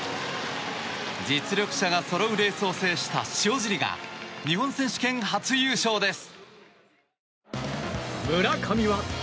実力者がそろうレースを制した塩尻が日本選手権初優勝です。